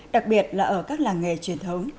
đặc biệt là ở các làng nghề truyền thống